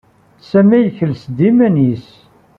Sami yekles-d iman-nnes.